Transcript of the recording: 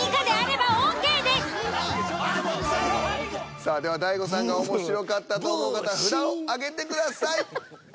さあでは大悟さんが面白かったと思う方札を挙げてください。